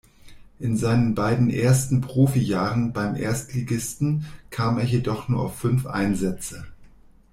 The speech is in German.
In seinen beiden ersten Profijahren beim Erstligisten kam er jedoch nur auf fünf Einsätze.